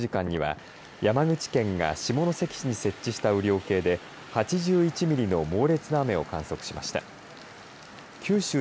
昨夜１１時半までの１時間には山口県が下関市に設置した雨量計で８１ミリの猛烈な雨を観測しました。